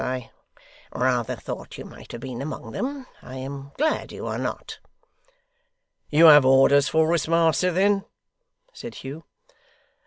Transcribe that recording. I rather thought you might have been among them. I am glad you are not.' 'You have orders for us, master, then?' said Hugh.